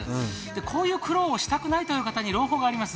こういう苦労をしたくないという方に朗報があります。